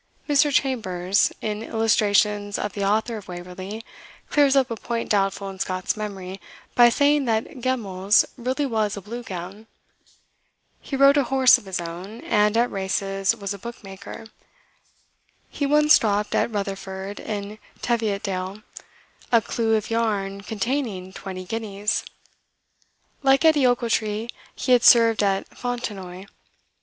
Mr. Chambers, in "Illustrations of the Author of 'Waverley," clears up a point doubtful in Scott's memory, by saying that Geimells really was a Blue Gown. He rode a horse of his own, and at races was a bookmaker. He once dropped at Rutherford, in Teviotdale, a clue of yarn containing twenty guineas. Like Edie Ochiltree, he had served at Fontenoy.